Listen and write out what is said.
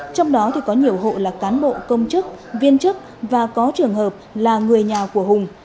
trong đó có nhiều hộ là cán bộ công chức viên chức và có trường hợp là người nhà của hùng